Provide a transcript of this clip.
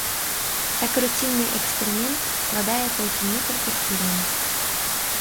Так руцінны эксперымент складае толькі некалькі хвілін.